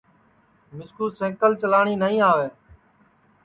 مِسکُو سئکل چلاٹؔی نائی آوے